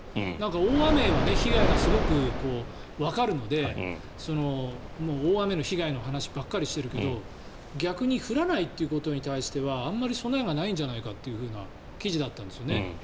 大雨は被害がすごくわかるので大雨の被害の話ばっかりしているけど逆に降らないということに対してはあまり備えがないんじゃないかという記事だったんですよね。